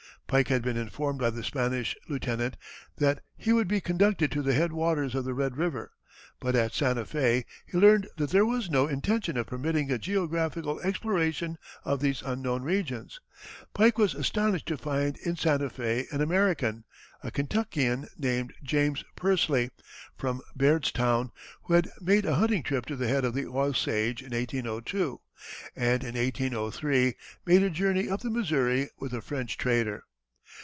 Pike had been informed by the Spanish lieutenant that he would be conducted to the head waters of the Red River, but at Santa Fé he learned that there was no intention of permitting a geographical exploration of these unknown regions. Pike was astonished to find in Santa Fé an American, a Kentuckian, named James Pursley, from Bairdstown, who had made a hunting trip to the head of the Osage in 1802, and in 1803 made a journey up the Missouri with a French trader.